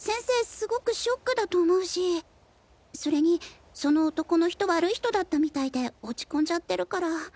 すごくショックだと思うしそれにその男の人悪い人だったみたいで落ち込んじゃってるから。